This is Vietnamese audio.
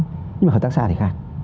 nhưng mà hợp tác xã thì khác